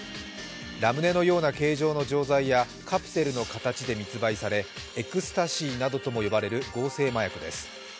ラムネのような形状の錠剤やカプセルの形で密売され、エクスタシーなどとも呼ばれる合成麻薬です。